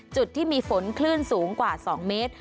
จุดที่มีฝนคลื่นสูงกว่า๒เมตร